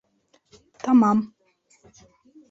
Тамам.